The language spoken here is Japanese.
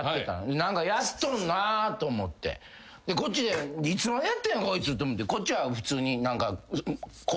何かやっとるなと思ってこっちでいつまでやってんこいつと思ってこっちは普通に工作してて。